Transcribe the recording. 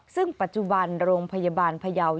ซึ่งปัจจุบันโรงพยาบาลพระยาวยังคงขาดแคลนเลือด